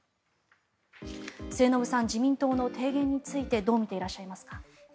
末延さん、自民党の提言についてどう見ていらっしゃいますか？